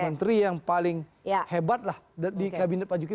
menteri yang paling hebat lah di kabinet pak jokowi